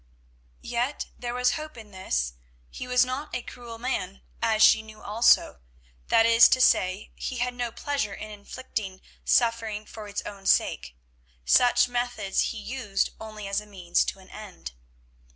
Yet there was hope in this; he was not a cruel man, as she knew also, that is to say, he had no pleasure in inflicting suffering for its own sake; such methods he used only as a means to an end.